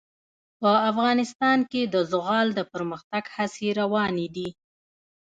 افغانستان کې د زغال د پرمختګ هڅې روانې دي.